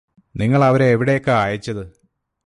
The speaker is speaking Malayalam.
നിങ്ങള് അവരെ എവിടേക്കാ അയച്ചത്